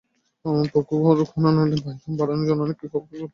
পুকুর খননের নামে আয়তন বাড়ানোর জন্য অনেকেই খালগুলো পুকুরের অন্তর্ভুক্ত করছেন।